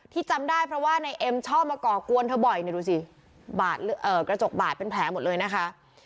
จำได้เพราะว่าในเอ็มชอบมาก่อกวนเธอบ่อยเนี่ยดูสิกระจกบาดเป็นแผลหมดเลยนะคะ